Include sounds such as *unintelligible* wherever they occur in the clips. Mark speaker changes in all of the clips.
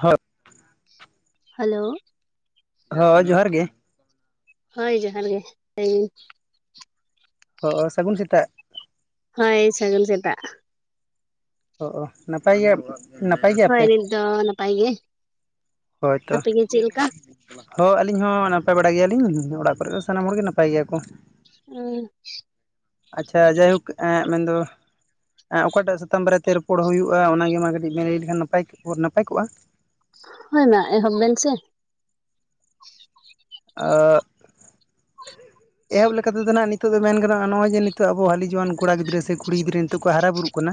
Speaker 1: ᱦᱳᱭ *unintelligible*
Speaker 2: ᱦᱮᱞᱳ ᱾
Speaker 1: ᱦᱚ ᱡᱚᱦᱟᱨ ᱜᱮ ᱾
Speaker 2: ᱦᱳᱭ ᱡᱚᱦᱟᱨ ᱜᱮ ᱾ ᱮᱭᱼᱼ
Speaker 1: ᱚ ᱥᱟᱹᱜᱩᱱ ᱥᱮᱛᱟᱜ ᱾
Speaker 2: ᱦᱳᱭ ᱥᱟᱹᱜᱩᱱ ᱥᱮᱛᱟᱜ ᱾
Speaker 1: ᱦᱚᱜᱼᱚ, ᱱᱟᱯᱟᱭ ᱜᱮᱭᱟ ᱵᱚ?
Speaker 2: ᱦᱚᱭ ᱱᱤᱛ ᱫᱚ ᱱᱟᱯᱟᱭ ᱜᱮᱭᱟ ᱾
Speaker 1: ᱦᱚᱭ ᱛᱚ ᱾ ᱦᱳᱭ ᱟᱹᱞᱤᱧ ᱦᱚᱸ ᱱᱟᱯᱟᱭ ᱵᱟᱲᱟ ᱜᱮᱭᱟᱞᱤᱧ, ᱚᱲᱟᱜ ᱠᱚᱨᱮ ᱫᱚ ᱥᱟᱱᱟᱢ ᱦᱚᱲᱜᱮ ᱱᱟᱯᱟᱭ ᱜᱮᱭᱟ ᱠᱚ ᱾
Speaker 2: ᱦᱩᱸ ᱾
Speaker 1: ᱟᱪᱪᱷᱟ ᱡᱟᱭᱦᱳᱠ ᱮᱸ ᱢᱮᱱᱫᱚᱼᱼ ᱟᱜ ᱚᱠᱟᱴᱟᱜ ᱥᱟᱛᱟᱢ ᱵᱟᱨᱮᱛᱮ ᱨᱚᱯᱚᱲ ᱦᱩᱭᱩᱜᱼᱟ, ᱚᱱᱟᱜᱮ ᱢᱟ ᱠᱟᱹᱴᱤᱡ ᱵᱮᱱ ᱞᱟᱹᱭ ᱞᱮᱠᱷᱟᱱ ᱱᱟᱯᱟᱭ, ᱱᱟᱯᱟᱭ ᱠᱚᱜᱼᱟ
Speaker 2: ᱦᱚᱭ ᱢᱟ ᱮᱦᱚᱵ ᱵᱮᱱ ᱥᱮ ᱾
Speaker 1: ᱚᱻ ᱮᱦᱚᱵ ᱞᱮᱠᱟᱛᱮ ᱫᱚ ᱱᱟᱜ ᱟᱹᱞᱤᱧᱼᱼ ᱱᱤᱛᱚᱜ ᱫᱚ ᱢᱮᱱ ᱜᱟᱱᱚᱜᱼᱟ ᱡᱮ ᱱᱤᱛᱚᱜ ᱟᱵᱚ ᱦᱟᱹᱞᱤ ᱡᱩᱣᱟᱹᱱ ᱠᱚᱲᱟ ᱜᱤᱫᱽᱨᱟᱹ ᱥᱮ ᱠᱩᱲᱤ ᱜᱤᱫᱽᱨᱟᱹ ᱱᱤᱛᱚᱜ ᱠᱚ ᱦᱟᱨᱟᱜ ᱵᱩᱨᱩᱜ ᱠᱟᱱᱟᱼᱼ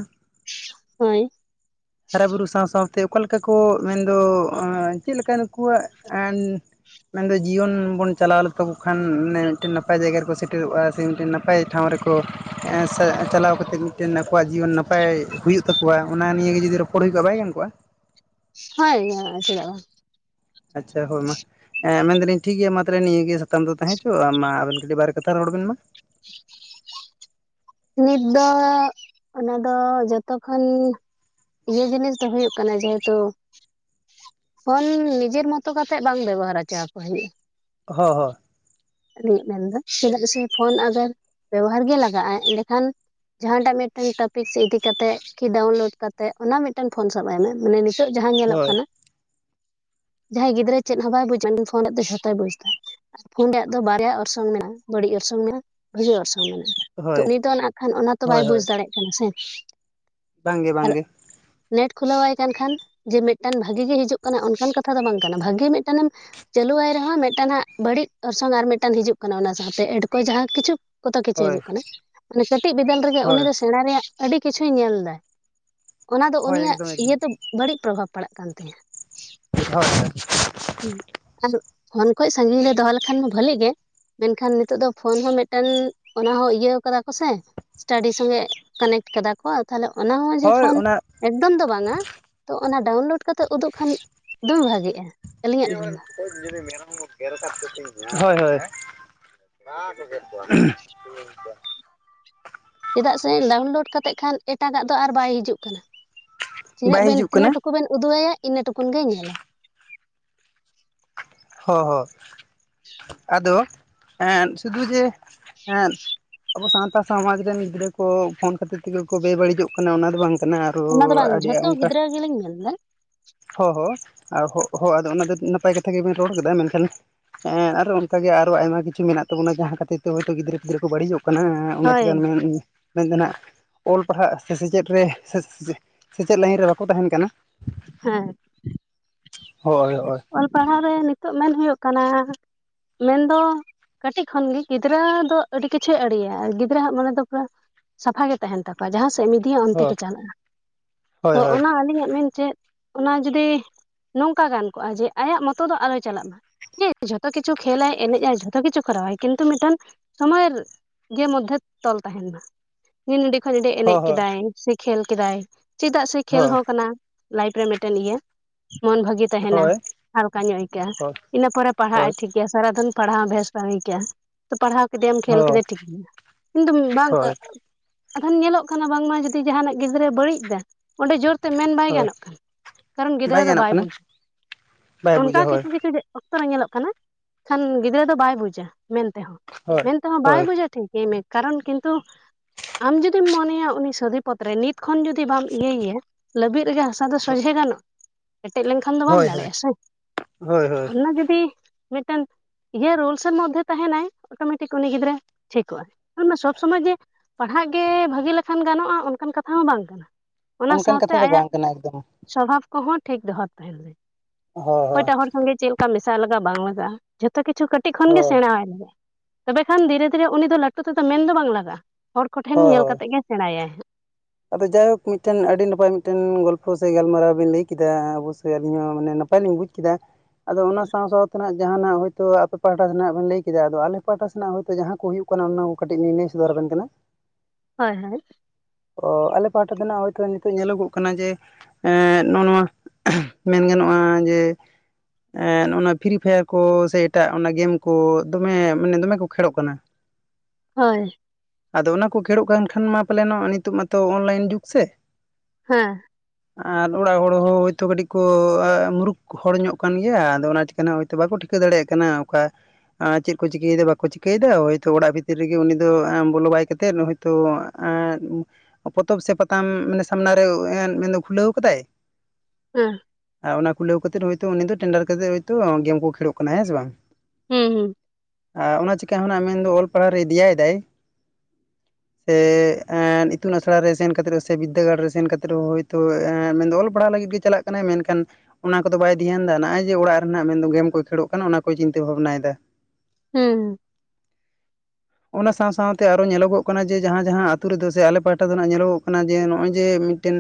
Speaker 2: ᱦᱚᱭ ᱾
Speaker 1: ᱦᱟᱨᱟ ᱵᱩᱨᱩ ᱥᱟᱶ ᱥᱟᱶ ᱛᱮ ᱚᱠᱟ ᱞᱮᱠᱟ ᱠᱚ ᱢᱮᱱᱫᱚ ᱮᱸ ᱪᱮᱫ ᱞᱮᱠᱟ ᱱᱩᱠᱩᱣᱟᱜ ᱮᱱᱼᱼ ᱢᱮᱱᱫᱚ ᱡᱤᱭᱚᱱ ᱵᱚᱱ ᱪᱟᱞᱟᱣ ᱞᱮᱛᱟ ᱠᱚ ᱠᱷᱟᱱᱮ ᱢᱤᱫᱴᱮᱱ ᱱᱟᱯᱟᱭ ᱡᱟᱭᱜᱟ ᱨᱮᱠᱚ ᱥᱮᱴᱮᱨᱚᱜᱼᱟ, ᱥᱮ *inaudible* ᱱᱟᱯᱼᱼ ᱱᱟᱯᱟᱭ ᱴᱷᱟᱶ ᱨᱮᱠᱚ ᱮᱸ ᱪᱟ ᱪᱟᱞᱟᱣ ᱠᱟᱛᱮ ᱢᱤᱫᱴᱮᱱ ᱟᱠᱚᱣᱟᱜ ᱡᱤᱭᱚᱱ ᱱᱟᱯᱟᱭ ᱦᱩᱭᱩᱜ ᱛᱟᱠᱚᱣᱟ ᱚᱱᱟ ᱱᱤᱭᱮ ᱜᱮ ᱡᱩᱫᱤᱼᱼ ᱨᱚᱯᱚᱲ ᱦᱩᱭ ᱠᱚᱜᱼᱟ, ᱵᱟᱭ ᱜᱟᱱ ᱠᱚᱜᱼᱟ?
Speaker 2: ᱦᱳᱭ ᱪᱮᱫᱟᱜ ᱵᱟᱝ ᱾
Speaker 1: ᱟᱪᱪᱷᱟ ᱦᱳᱭ ᱢᱟ ᱾ ᱦᱮᱸ ᱢᱮᱱᱫᱟ ᱞᱤᱧ ᱴᱷᱤᱠ ᱜᱮᱭᱟ ᱢᱟ ᱛᱟᱦᱚᱞᱮ ᱱᱤᱭᱟᱹ ᱥᱟᱛᱟᱢ ᱫᱚ ᱛᱟᱦᱮᱸ ᱦᱚᱪᱚ ᱟ ᱢᱟ ᱟᱵᱤᱱ ᱠᱟᱹᱴᱤᱡ ᱵᱟᱨ ᱠᱟᱛᱷᱟ ᱨᱚᱲ ᱵᱽᱱ ᱢᱟ ᱾
Speaker 2: ᱱᱤᱛ ᱫᱚ ᱚᱱᱟᱫᱚ ᱡᱚᱛᱚ ᱠᱷᱚᱱᱼᱼ ᱤᱭᱟᱹ ᱡᱤᱱᱤᱥ ᱫᱚ ᱦᱩᱭᱩᱜ ᱠᱟᱱᱟ ᱡᱮᱦᱮᱛᱩᱼᱼ ᱯᱷᱳᱱ ᱱᱤᱡᱮᱨ ᱢᱚᱛᱚ ᱠᱟᱛᱮᱜ ᱵᱟᱝ ᱵᱮᱵᱚᱦᱟᱨ ᱦᱚᱪᱚ ᱟᱠᱚ ᱦᱩᱭᱩᱜᱼᱟ᱾
Speaker 1: ᱦᱚ ᱦᱚ
Speaker 2: ᱟᱞᱤᱧᱟᱜ ᱢᱮᱱᱫᱚ ᱪᱮᱫᱟᱜ ᱥᱮ ᱯᱷᱳᱱ ᱟᱵᱤᱱ ᱵᱮᱵᱚᱦᱟᱨ ᱜᱮ ᱞᱟᱜᱟᱜᱼᱟ ᱮᱸᱰᱮᱠᱷᱟᱱ ᱡᱟᱦᱟᱸᱴᱟᱜ ᱢᱤᱫᱴᱟᱝ ᱴᱚᱯᱤᱠ ᱤᱫᱤ ᱠᱟᱛᱮ ᱠᱤ ᱰᱟᱣᱩᱱᱞᱳᱰ ᱠᱟᱛᱮ ᱚᱱᱟ ᱢᱤᱫᱴᱮᱱ ᱯᱷᱳᱱ ᱥᱟᱵᱟᱭ ᱢᱮ ᱢᱟᱱᱮ ᱱᱤᱛᱚᱜ ᱡᱟᱦᱟᱸ ᱧᱮᱞᱚᱜ
Speaker 1: ᱦᱳᱭ
Speaker 2: ᱠᱟᱱᱟ ᱡᱟᱦᱟᱸᱭ ᱜᱤᱫᱽᱨᱟᱹ ᱪᱮᱫ ᱦᱚᱸ ᱵᱟᱭ ᱵᱩᱡ ᱮᱫᱟ ᱯᱷᱳᱱ ᱨᱮᱭᱟᱜ ᱫᱚ ᱡᱷᱚᱛᱚᱭ ᱵᱩᱡ ᱮᱫᱟ ᱯᱷᱳᱱ ᱨᱮᱭᱟᱜ ᱫᱚ ᱵᱟᱨᱭᱟ ᱚᱨᱥᱚᱝ ᱢᱮᱱᱟᱜᱼᱟ ᱵᱟᱹᱲᱤᱡ ᱚᱨᱥᱚᱝ ᱢᱮᱱᱟᱜᱼᱟ ᱵᱷᱟᱹᱜᱤ ᱚᱨᱥᱚᱝ ᱢᱮᱱᱟᱜᱼᱟ ᱛᱚ
Speaker 1: ᱦᱳᱭ
Speaker 2: ᱩᱱᱤ ᱫᱚ ᱱᱟᱜ ᱠᱷᱟᱱ ᱚᱱᱟ ᱛᱚ ᱵᱟᱭ ᱵᱩᱡᱽ ᱫᱟᱲᱮᱭᱟᱜ ᱠᱟᱱᱟ ᱥᱮ
Speaker 1: ᱵᱟᱝ ᱜᱮ ᱵᱟᱝ
Speaker 2: ᱟᱨ
Speaker 1: ᱜᱮ
Speaker 2: ᱱᱮᱴ ᱠᱷᱩᱞᱟᱹᱣᱟᱭ ᱠᱟᱱ ᱠᱷᱟᱱ ᱡᱮ ᱢᱤᱫᱴᱟᱝ ᱵᱷᱟᱜᱤ ᱜᱮ ᱦᱤᱡᱩᱜ ᱠᱟᱱᱟ ᱚᱱᱠᱟᱱ ᱠᱟᱛᱷᱟ ᱫᱚ ᱵᱟᱝ ᱠᱟᱱᱟ ᱵᱷᱟᱹᱜᱮ ᱢᱤᱫᱴᱮᱱ ᱮᱢ ᱪᱟᱹᱞᱩᱣᱟᱭ ᱨᱮᱦᱚᱸ ᱢᱤᱫᱴᱟᱝ ᱵᱟᱹᱲᱤᱡ ᱚᱨᱥᱚᱝ ᱟᱨ ᱢᱤᱫᱴᱟᱝ ᱦᱤᱡᱩᱜ ᱠᱟᱱᱟ ᱚᱱᱟ ᱥᱟᱶᱛᱮ ᱮᱴᱠᱚ ᱡᱟᱦᱟᱸ ᱠᱤᱪᱷᱩ ᱠᱚᱛᱚ ᱠᱤᱪᱷᱩ
Speaker 1: ᱦᱳᱭ
Speaker 2: ᱦᱤᱡᱩᱜ ᱠᱟᱱᱟ ᱢᱟᱱᱮ ᱠᱟᱹᱴᱤᱡ ᱵᱤᱫᱟᱹᱞ ᱨᱮᱜᱮ
Speaker 1: ᱦᱳᱭ
Speaker 2: ᱩᱱᱤ ᱫᱚ ᱥᱮᱬᱟ ᱨᱮᱭᱟᱜ ᱟᱹᱰᱤ ᱠᱤᱪᱷᱩᱭ ᱧᱮᱞ ᱫᱟᱭ ᱚᱱᱟ ᱫᱚ
Speaker 1: ᱦᱳᱭ
Speaker 2: ᱩᱱᱤᱭᱟᱜ
Speaker 1: ᱮᱠᱫᱚᱢ ᱮᱠᱫᱚᱢ
Speaker 2: ᱤᱭᱟᱹᱛᱮ ᱵᱟᱹᱲᱤᱡ ᱯᱨᱚᱵᱷᱟᱵᱽ ᱯᱟᱲᱟᱜ ᱠᱟᱱ ᱛᱟᱭᱟ
Speaker 1: ᱦᱳᱭ *unintelligible*
Speaker 2: ᱟᱨ ᱯᱷᱳᱱ ᱠᱷᱚᱡ ᱥᱟᱺᱜᱤᱧ ᱨᱮ ᱫᱚᱦᱚ ᱞᱮᱠᱷᱟᱱ ᱢᱟ ᱵᱷᱟᱞᱤ ᱜᱮ ᱢᱮᱱᱠᱷᱟᱱ ᱱᱤᱛᱚᱜ ᱫᱚ ᱯᱷᱳᱱ ᱦᱚᱸ ᱢᱤᱫᱴᱟᱝ ᱚᱱᱟ ᱦᱚᱸ ᱤᱭᱟᱹ ᱠᱟᱫᱟ ᱠᱚ ᱥᱮ ᱥᱴᱟᱰᱤ ᱥᱚᱸᱜᱮ ᱠᱟᱱᱮᱠᱴ ᱠᱟᱫᱟ ᱠᱚ ᱛᱟᱦᱞᱮ ᱚᱱᱟ
Speaker 1: ᱦᱳᱭ
Speaker 2: ᱯᱷᱳᱱ
Speaker 1: ᱚᱱᱟ
Speaker 2: ᱮᱠᱫᱚᱢ ᱫᱚ ᱵᱟᱝᱼᱟ ᱛᱚ ᱚᱱᱟ ᱰᱟᱣᱩᱱᱞᱳᱰ ᱠᱟᱛᱮᱜ ᱩᱫᱩᱜ ᱠᱷᱟᱱ ᱫᱩᱢ ᱵᱷᱟᱹᱜᱮᱜᱼᱟ᱾
Speaker 1: *unintelligible* ᱦᱳᱭ ᱦᱳᱭ *unintelligible*
Speaker 2: ᱪᱮᱫᱟᱜ ᱥᱮ ᱰᱟᱣᱩᱱᱞᱳᱰ ᱠᱟᱛᱮᱜ ᱠᱷᱟᱱ ᱮᱴᱟᱜᱟᱜ ᱫᱚ ᱟᱨ ᱵᱟᱭ ᱦᱤᱡᱩᱜ ᱠᱟᱱᱟ ᱛᱤᱱᱟᱹᱜ
Speaker 1: ᱵᱟᱭ
Speaker 2: ᱵᱮᱱ
Speaker 1: ᱦᱤᱡᱩᱜ ᱠᱟᱱᱟ
Speaker 2: ᱛᱤᱱᱟᱹᱜ ᱴᱩᱠᱩ ᱵᱮᱱ ᱩᱫᱩᱜ ᱟᱭᱟ ᱤᱱᱟᱹ ᱴᱩᱠᱩ ᱜᱮ ᱧᱮᱞᱟ
Speaker 1: ᱦᱚ ᱦᱚ ᱟᱫᱚ ᱮᱜ ᱥᱩᱫᱩ ᱡᱮ ᱦᱮᱸ ᱟᱵᱚ ᱥᱟᱶ ᱥᱟᱶᱛᱟ ᱥᱚᱢᱟᱡᱽ ᱨᱮᱱ ᱜᱤᱫᱽᱨᱟᱹ ᱠᱚ ᱯᱷᱳᱱ ᱠᱷᱟᱹᱛᱤᱨ ᱛᱮᱜᱮ ᱠᱚ ᱵᱮ-ᱵᱟᱹᱲᱤᱡᱚᱜ ᱠᱟᱱᱟ ᱚᱱᱟ ᱫᱚ ᱵᱟᱝ ᱛᱮᱱᱟᱜ ᱟᱨᱚ
Speaker 2: ᱫᱚ ᱵᱟᱝ
Speaker 1: ᱟᱹᱰᱤ
Speaker 2: ᱡᱷᱚᱛᱚ
Speaker 1: ᱚᱱᱠᱟ
Speaker 2: ᱜᱤᱫᱽᱨᱟᱹ ᱚᱱᱟ ᱜᱮᱞᱤᱧ ᱢᱮᱱ ᱫᱟ
Speaker 1: ᱦᱚᱸ ᱦᱚᱸ ᱦᱚᱸ ᱟᱫᱚ ᱚᱱᱟᱫᱚ ᱱᱟᱯᱟᱭ ᱠᱟᱛᱷᱟ ᱜᱮᱵᱮᱱ ᱨᱚᱲ ᱠᱮᱫᱟ ᱢᱮᱱᱠᱷᱟᱱ ᱦᱮᱸ ᱟᱨᱚ ᱚᱱᱠᱟᱜ ᱜᱮ ᱟᱨᱚ ᱟᱭᱢᱟ ᱠᱤᱪᱷᱩ ᱢᱮᱱᱟᱜ ᱛᱟᱚᱱᱟ ᱡᱟᱦᱟᱸ ᱠᱷᱟᱹᱤᱨ ᱛᱮ ᱦᱳᱭ ᱛᱚ ᱜᱤᱫᱽᱨᱟᱹ ᱯᱤᱫᱽᱨᱟᱹ ᱠᱚ ᱵᱟᱹᱲᱤᱡᱚᱜ ᱠᱟᱱᱟ ᱚᱱᱟ
Speaker 2: ᱦᱳᱭ
Speaker 1: ᱪᱤᱠᱟᱹᱱ ᱢᱮᱱ ᱢᱮᱱ ᱛᱮᱱᱟᱜ ᱚᱞ ᱯᱟᱲᱦᱟᱜ ᱥᱮ ᱥᱮᱪᱮᱫ ᱨᱮ ᱥᱮᱪᱮᱫ ᱞᱟᱭᱤᱱ ᱨᱮ ᱵᱟᱠᱚ ᱛᱟᱦᱮᱱ ᱠᱟᱱᱟ
Speaker 2: ᱦᱮᱸ
Speaker 1: ᱦᱳᱭ ᱦᱳᱭ
Speaker 2: ᱚᱞ ᱯᱟᱲᱦᱟᱣ ᱨᱮ ᱱᱤᱛᱚᱜ ᱢᱮᱱ ᱦᱩᱭᱩᱜ ᱠᱟᱱᱟ ᱢᱮᱱ ᱫᱚ ᱠᱟᱹᱴᱤᱡ ᱠᱷᱚᱱ ᱜᱮ ᱜᱤᱫᱽᱨᱟᱹ ᱫᱚ ᱟᱹᱰᱤ ᱠᱤᱪᱷᱩᱭ ᱟᱹᱲᱤᱭᱟ ᱟᱨ ᱜᱤᱫᱽᱨᱟᱹ ᱦᱟᱸᱜ ᱢᱚᱱᱮ ᱫᱚ ᱯᱩᱨᱟᱹ ᱥᱟᱯᱷᱟ ᱜᱮ ᱛᱟᱦᱮᱱ ᱛᱟᱠᱚᱣᱟ ᱡᱟᱦᱟᱸ ᱥᱮᱫ ᱮᱢ ᱤᱫᱤᱭᱟ ᱚᱱᱛᱮ
Speaker 1: ᱦᱳᱭ
Speaker 2: ᱜᱮ ᱪᱟᱞᱟᱜᱼᱟ
Speaker 1: ᱦᱳᱭ
Speaker 2: ᱛᱚ
Speaker 1: ᱦᱳᱭ
Speaker 2: ᱚᱱᱟ ᱟᱹᱞᱤᱧᱟᱜ ᱢᱮᱱ ᱪᱮᱫ ᱚᱱᱟ ᱡᱩᱫᱤ ᱚᱱᱠᱟ ᱜᱟᱱ ᱠᱚᱜᱼᱟ ᱡᱮ ᱟᱭᱟᱜ ᱢᱚᱛᱚ ᱫᱚ ᱟᱞᱚᱭ ᱪᱟᱞᱟᱜ ᱢᱟ *unintelligible* ᱡᱷᱚᱛᱚ ᱠᱤᱪᱷᱩ ᱠᱷᱮᱞᱟᱭ ᱮᱱᱮᱡ ᱟᱭ ᱡᱷᱚᱛᱚ ᱠᱤᱪᱷᱩ ᱠᱚᱨᱟᱣᱟᱭ ᱠᱤᱱᱛᱩ ᱢᱤᱫᱴᱟᱱ ᱥᱚᱢᱚᱭ ᱜᱮ ᱢᱚᱫᱽᱫᱷᱮ ᱛᱚᱞ ᱛᱟᱦᱮᱱ ᱢᱟ ᱱᱤᱱ ᱱᱚᱰᱮ ᱠᱷᱚᱱ ᱱᱚᱰᱮ
Speaker 1: ᱦᱳᱭ
Speaker 2: ᱮᱱᱮᱡ ᱠᱮᱫᱟᱭ ᱥᱮ ᱠᱷᱮᱞ ᱠᱮᱫᱟᱭ ᱪᱮᱫᱟᱜ ᱥᱮ ᱠᱷᱮᱞ
Speaker 1: ᱦᱳᱭ
Speaker 2: ᱦᱚᱸ ᱠᱟᱱᱟ ᱞᱟᱭᱤᱯᱷ ᱨᱮ ᱢᱤᱫᱴᱮᱱ ᱤᱭᱟᱹ ᱢᱚᱱ ᱵᱷᱟᱹᱜᱤ ᱛᱟᱦᱮᱱᱟ
Speaker 1: ᱦᱳᱭ
Speaker 2: ᱦᱟᱞᱠᱟ ᱧᱚᱜ ᱟᱹᱭᱠᱟᱹᱜᱼᱟ
Speaker 1: ᱦᱳᱭ
Speaker 2: ᱤᱱᱟᱹ ᱯᱚᱨᱮ
Speaker 1: ᱦᱳᱭ
Speaker 2: ᱯᱟᱲᱦᱟᱜᱼᱟᱭ ᱴᱷᱤᱠ ᱛᱟᱭ ᱥᱟᱨᱟ ᱫᱤᱱ ᱯᱟᱲᱟᱣ ᱦᱚᱸ ᱵᱷᱮᱥ ᱵᱟᱝ ᱟᱹᱭᱠᱟᱹᱜᱼᱟ ᱾ ᱯᱟᱲᱦᱟᱣ ᱠᱮᱫᱮᱭᱟᱢ ᱠᱷᱮᱞ
Speaker 1: ᱦᱳᱭ
Speaker 2: ᱠᱮᱫᱮ ᱴᱷᱤᱠ ᱜᱮᱭᱟ ᱠᱤᱱᱛᱩ ᱵᱟᱝ
Speaker 1: ᱦᱳᱭ
Speaker 2: ᱠᱟᱹᱜᱼᱼ ᱟᱠᱷᱟᱱ ᱧᱮᱞᱚᱜ ᱠᱟᱱᱟ ᱵᱟᱝᱢᱟ ᱡᱩᱫᱤ ᱡᱟᱦᱟᱱᱟᱜ ᱜᱤᱫᱽᱨᱟᱹᱭ ᱵᱟᱹᱲᱤᱡ ᱮᱫᱟᱼᱼ ᱚᱸᱰᱮ ᱡᱳᱨ ᱛᱮ ᱢᱮᱱ ᱵᱟᱭ
Speaker 1: ᱦᱳᱭ
Speaker 2: ᱜᱟᱱᱚᱜ ᱠᱟᱱᱟ, ᱠᱟᱨᱚᱱ ᱜᱤᱫᱽᱨᱟᱹ ᱫᱚ
Speaker 1: ᱜᱟᱱᱚᱜ
Speaker 2: ᱵᱟᱭ
Speaker 1: ᱠᱟᱱᱟ
Speaker 2: ᱵᱩᱡᱽ-ᱟ ᱾
Speaker 1: ᱵᱟᱭ
Speaker 2: ᱚᱱᱠᱟ
Speaker 1: ᱵᱩᱡᱟ ᱦᱳᱭ
Speaker 2: ᱠᱤᱪᱷᱩ ᱠᱤᱪᱷᱩ ᱚᱠᱛᱚ ᱨᱮ ᱧᱮᱞᱚᱜ ᱠᱟᱱᱟ ᱠᱷᱟᱱ ᱜᱤᱫᱽᱨᱟᱹ ᱫᱚ ᱵᱟᱭ ᱵᱩᱡᱟ ᱢᱮᱱᱛᱮ ᱦᱚᱸ
Speaker 1: ᱦᱳᱭ
Speaker 2: ᱾ ᱢᱮᱱ ᱛᱮᱦᱚᱸ ᱵᱟᱭ
Speaker 1: ᱦᱳᱭ
Speaker 2: ᱵᱩᱡᱟ ᱴᱷᱤᱠ ᱜᱮ, ᱢᱮ ᱠᱟᱨᱚᱱ ᱠᱤᱱᱛᱩ ᱟᱢ ᱡᱩᱫᱤᱢ ᱢᱚᱱᱮᱭᱟ ᱩᱱᱤ ᱥᱚᱨᱤᱯᱷᱼᱼ ᱯᱚᱫ ᱨᱮ ᱱᱤᱛ ᱠᱷᱚᱱ ᱡᱩᱫᱤ ᱵᱟᱢ ᱤᱭᱟᱹ ᱭᱮᱭᱟ ᱞᱟᱹᱵᱤᱫ ᱨᱮᱜᱮ ᱦᱟᱥᱟ ᱫᱚ ᱥᱚᱡᱷᱮ ᱜᱟᱱᱚᱜᱼᱟ ᱾ ᱠᱴᱮᱡ ᱞᱮᱱᱠᱷᱟᱱ ᱫᱚ ᱵᱟᱢ
Speaker 1: ᱦᱳᱭ ᱦᱳᱭ
Speaker 2: ᱫᱟᱲᱮᱭᱟᱜᱼᱟ ᱥᱮ,
Speaker 1: ᱦᱳᱭ ᱦᱳᱭ
Speaker 2: ᱚᱱᱟ ᱡᱩᱫᱤᱼᱼ ᱢᱤᱫᱴᱮᱱ ᱤᱭᱟᱹ ᱨᱩᱞᱥ ᱨᱮ ᱢᱚᱫᱽᱫᱷᱮ ᱛᱟᱦᱮᱱᱟᱭ ᱚᱴᱳᱢᱮᱴᱤᱠ ᱩᱱᱤ ᱜᱤᱫᱽᱨᱟᱹ ᱴᱷᱤᱠᱚᱜ-ᱟᱭ ᱾ ᱥᱚᱵᱽ ᱥᱚᱢᱚᱭ ᱜᱮ ᱯᱟᱲᱦᱟᱜ ᱜᱮ ᱵᱷᱟᱹᱜᱤ ᱞᱮᱠᱷᱟᱱ ᱜᱟᱱᱚᱜᱼᱟ ᱚᱱᱠᱟᱱ ᱠᱟᱛᱷᱟ ᱦᱚᱸ ᱵᱟᱝ ᱠᱟᱱᱟ ᱾ ᱚᱱᱟ
Speaker 1: ᱚᱱᱠᱟᱱ
Speaker 2: ᱥᱟᱶᱛᱮ
Speaker 1: ᱠᱟᱛᱷᱟ ᱫᱚ
Speaker 2: ᱟᱭᱟᱜᱼᱼ
Speaker 1: ᱵᱟᱝ ᱠᱟᱱᱟ ᱮᱠᱫᱚᱢ
Speaker 2: ᱥᱚᱵᱷᱟᱵ ᱠᱚᱦᱚᱸ ᱴᱷᱤᱠ ᱫᱚᱦᱟᱨ ᱛᱟᱦᱮᱱ ᱢᱮ,
Speaker 1: ᱦᱳᱭ ᱦᱳᱭ
Speaker 2: ᱚᱠᱚᱭᱴᱟᱜ ᱦᱚᱲ ᱥᱚᱸᱜᱮ ᱪᱮᱫ ᱞᱮᱠᱟ ᱢᱮᱥᱟᱜ ᱞᱟᱜᱟᱜ-ᱟ ᱵᱟᱝ ᱞᱟᱜᱟᱜᱼᱟ ᱾ ᱡᱷᱚᱛᱚ ᱠᱤᱪᱷᱩ ᱠᱟᱹᱴᱤᱡ ᱠᱷᱚᱱ ᱜᱮ
Speaker 1: ᱦᱳᱭ
Speaker 2: ᱥᱮᱬᱟᱸᱣᱟᱭ ᱢᱮ ᱾ ᱛᱚᱵᱮ ᱠᱷᱟᱱ ᱫᱷᱤᱨᱮ ᱫᱷᱤᱨᱮ ᱩᱱᱤ ᱫᱚ ᱞᱟᱹᱴᱩ ᱛᱮᱫᱚ ᱢᱮᱱ ᱫᱚ ᱵᱟᱝ ᱞᱟᱜᱟᱜᱼᱟ, ᱦᱚᱲ ᱠᱚᱴᱷᱮᱱ
Speaker 1: ᱦᱳᱭ
Speaker 2: ᱧᱮᱞ
Speaker 1: ᱦᱳᱭ
Speaker 2: ᱠᱟᱛᱮᱫ ᱜᱮᱭ ᱥᱮᱬᱟᱸᱭᱟᱭ ᱾
Speaker 1: ᱟᱫᱚ ᱡᱟᱭᱦᱳᱠ ᱢᱤᱫᱴᱮᱱ ᱟᱹᱰᱤ ᱱᱟᱯᱟᱭ ᱢᱤᱫᱴᱮᱱ ᱜᱚᱞᱯᱷᱚ ᱥᱮ ᱜᱟᱞᱢᱟᱨᱟᱣ ᱵᱤᱱ ᱞᱟᱹᱭ ᱠᱮᱫᱟ ᱚᱵᱳᱥᱥᱚᱭ ᱟᱹᱞᱤᱧ ᱦᱚᱸ ᱢᱟᱱᱮ ᱱᱟᱯᱟᱭ ᱞᱤᱧ ᱵᱩᱡᱽ ᱠᱮᱫᱟ ᱾ ᱠᱮᱫᱟ, ᱟᱫᱚ ᱚᱱᱟ ᱥᱟᱶ ᱥᱟᱶᱛᱮ ᱡᱟᱦᱟᱱᱟᱜ ᱦᱚᱭᱛᱚᱼᱼ ᱯᱟᱦᱴᱟ ᱥᱮᱱᱟᱜ ᱵᱮᱱ ᱞᱟᱹᱭ ᱠᱮᱫᱟ ᱾ ᱟᱞᱮ ᱯᱟᱦᱴᱟ ᱥᱮᱱᱟᱜ ᱦᱚᱭᱛᱳ ᱡᱟᱦᱟᱸ ᱠᱚ ᱦᱩᱭᱩᱜ ᱠᱟᱱᱟ ᱚᱱᱟ ᱠᱚ ᱠᱟᱹᱴᱤᱡ ᱞᱟᱹᱭ ᱥᱚᱫᱚᱨ ᱵᱮᱱ ᱠᱟᱱᱟ ᱾
Speaker 2: ᱦᱚᱭ ᱦᱚᱭ ᱾
Speaker 1: ᱚ ᱟᱞᱮ ᱯᱟᱦᱟᱴᱟ ᱫᱚ ᱱᱟᱜ ᱦᱚᱭᱛᱳ ᱱᱤᱛᱳᱜ ᱧᱮᱞᱚᱜᱚᱜ ᱠᱟᱱᱟ ᱡᱮᱼᱼ ᱱᱚᱜᱼᱚ ᱱᱚᱣᱟ ᱢᱮᱱ ᱜᱟᱱᱚᱜᱼᱟ ᱡᱮᱼᱼ ᱚᱱᱟ ᱯᱷᱨᱤ ᱯᱷᱟᱭᱟᱨ ᱠᱚ ᱥᱮ ᱮᱴᱟᱜ ᱚᱱᱟ ᱜᱮᱢ ᱠᱚ ᱫᱚᱢᱮ ᱢᱟᱱᱮ ᱫᱚᱢᱮ ᱠᱚ ᱠᱷᱮᱞᱚᱜ ᱠᱟᱱᱟ ᱾ *inaudible*
Speaker 2: ᱦᱳᱭ ᱾
Speaker 1: ᱟᱫᱚ ᱚᱱᱟ ᱠᱚ ᱠᱮᱲᱚᱜ ᱠᱟᱱ ᱠᱷᱟᱱ ᱢᱟ ᱯᱟᱞᱮᱱᱚᱜ ᱱᱤᱛᱚᱜ ᱢᱟ ᱛᱚ ᱚᱱᱞᱟᱭᱤᱱ ᱡᱩᱜᱽ ᱥᱮ ᱾
Speaker 2: ᱦᱮᱸ ᱾
Speaker 1: ᱟᱨ ᱚᱲᱟᱜ ᱦᱚᱲ ᱦᱚᱸ ᱦᱳᱭᱛᱳ ᱠᱟᱹᱴᱤᱡ ᱠᱚ ᱢᱩᱨᱩᱠᱷᱼᱼ ᱦᱚᱲ ᱧᱚᱜ ᱠᱟᱱ ᱜᱮᱭᱟ ᱟᱫᱚ ᱚᱱᱟ ᱪᱤᱠᱟᱹ ᱱᱟᱜ ᱦᱚᱭᱛᱳ ᱵᱟᱠᱚ ᱴᱷᱤᱠᱟᱹ ᱫᱟᱲᱮᱭᱟᱜ ᱠᱟᱱᱟ, ᱚᱠᱟᱼᱼ ᱪᱮᱫ ᱠᱚ ᱪᱤᱠᱟᱹᱭᱮᱫᱟ ᱵᱟᱠᱚ ᱪᱤᱠᱟᱹᱭᱮᱫᱟ ᱦᱚᱭᱛᱚ ᱚᱲᱟᱜ ᱵᱷᱤᱛᱤᱨ ᱨᱮᱜᱮ ᱩᱱᱤ ᱫᱚ ᱵᱚᱞᱚ ᱵᱟᱭ ᱠᱟᱛᱮᱫ ᱱᱚᱜᱼᱚᱭᱼᱼ ᱛᱚ ᱮᱸᱫ ᱯᱚᱛᱚᱵ ᱥᱮ ᱯᱟᱛᱟᱢ ᱢᱟᱱᱮ ᱥᱟᱢᱱᱟ ᱨᱮ ᱢᱮᱱ ᱫᱚ ᱠᱷᱩᱞᱟᱹᱣ ᱟᱠᱟᱫᱟᱭ ᱾
Speaker 2: ᱦᱮᱸ ᱾
Speaker 1: ᱟᱨ ᱚᱱᱟ ᱠᱷᱩᱞᱟᱹᱣ ᱠᱟᱛᱮᱫ ᱦᱩᱭ ᱛᱚ ᱩᱱᱤ ᱫᱚ ᱴᱮᱱᱰᱟᱨ ᱠᱟᱛᱮ ᱦᱳᱭ ᱛᱚ ᱜᱮᱢ ᱠᱚ ᱠᱷᱮᱞᱳᱚᱜ ᱠᱟᱱᱟᱭ ᱦᱮᱸ ᱥᱮ ᱵᱟᱝ ᱾
Speaker 2: ᱦᱩᱸ ᱦᱩᱸ᱾
Speaker 1: ᱟᱨ ᱚᱱᱟ ᱪᱤᱠᱟᱹ ᱱᱟᱜ ᱢᱮᱱ ᱫᱚ ᱚᱞ ᱯᱟᱲᱦᱟᱣ ᱨᱮ ᱫᱤᱭᱟᱭᱫᱟᱭ ᱾ ᱥᱮ ᱮᱱᱰᱼᱼ ᱤᱛᱩᱱ ᱟᱥᱲᱟ ᱨᱮ ᱥᱮᱱ ᱠᱟᱛᱮ ᱥᱮ ᱵᱤᱫᱽᱫᱟᱹᱜᱟᱲ ᱨᱮ ᱥᱮᱱ ᱠᱟᱛᱮᱫ ᱦᱚᱭᱛᱳ ᱢᱮᱱ ᱫᱚ ᱚᱞ ᱯᱟᱲᱦᱟᱜ ᱞᱟᱹᱜᱤᱫ ᱜᱮ ᱪᱟᱞᱟᱜ ᱠᱟᱱᱟᱭ ᱢᱮᱱᱠᱷᱟᱱ ᱚᱱᱟ ᱠᱚᱫᱚ ᱵᱟᱭ ᱫᱷᱮᱭᱟᱱ ᱫᱟ ᱱᱚᱜᱼᱚᱭ ᱡᱮ ᱚᱲᱟᱜ ᱨᱮᱱᱟᱜ ᱢᱮᱱᱫᱚ ᱜᱮᱢ ᱠᱚ ᱠᱷᱮᱞᱳᱜ ᱠᱟᱱᱟ ᱚᱱᱟ ᱠᱚᱭ ᱪᱤᱱᱛᱟᱹ ᱵᱷᱟᱵᱽᱱᱟᱭᱫᱟ ᱾
Speaker 2: ᱦᱩᱸ ᱾
Speaker 1: ᱚᱱᱟ ᱥᱟᱶ ᱥᱟᱶᱛᱮ ᱟᱨᱚ ᱧᱮᱞᱚᱜᱚᱜ ᱠᱟᱱᱟ ᱡᱮ ᱡᱟᱦᱟᱸ ᱡᱟᱦᱟᱸ ᱟᱹᱛᱩ ᱨᱮᱫᱚ ᱥᱮ ᱟᱞᱮ ᱯᱟᱦᱴᱟ ᱫᱚ ᱦᱟᱸᱜ ᱧᱮᱞᱚᱜᱚᱜ ᱠᱟᱱᱟ ᱡᱮ ᱱᱚᱜᱼᱚᱭ ᱡᱮ ᱢᱤᱫᱴᱮᱱ